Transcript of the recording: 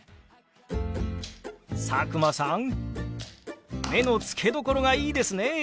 佐久間さん目の付けどころがいいですね！